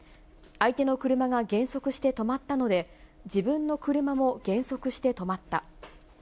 相手の車が減速して止まったので、自分の車も減速して止まった。